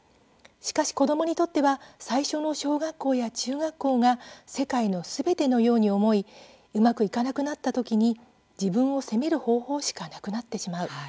しかし、子どもにとっては最初の小学校や中学校が世界のすべてのように思いうまくいかなくなった時に自分を責める方法しかなくなってしまう。